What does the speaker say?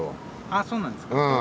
あそうなんですか。